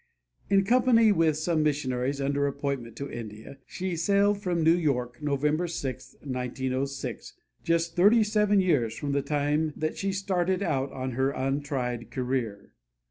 In company with some missionaries under appointment to India she sailed from New York, November 6, 1906, just thirty seven years from the time that she started out on her untried career.